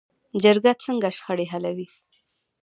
جرګه څنګه شخړې حلوي؟